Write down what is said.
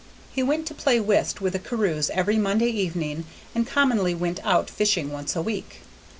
He went to play whist with the Carews every Monday evening, and commonly went out fishing once a week.